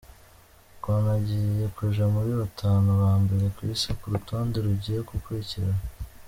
Konta agiye kuja muri batanu ba mbere kw'isi ku rutonde rugiye gukurikira.